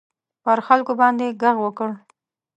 پر خلکو باندي ږغ وکړ.